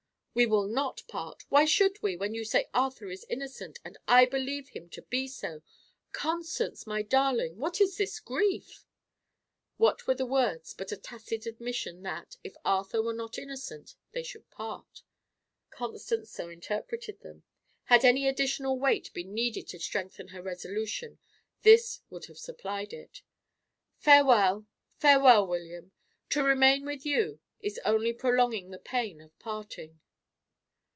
"We will not part. Why should we, when you say Arthur is innocent, and I believe him to be so? Constance, my darling, what is this grief?" What were the words but a tacit admission that, if Arthur were not innocent, they should part? Constance so interpreted them. Had any additional weight been needed to strengthen her resolution, this would have supplied it. "Farewell! farewell, William! To remain with you is only prolonging the pain of parting."